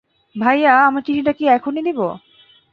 ভাইয়া, আমরা চিঠিটা কি এখনি দিব?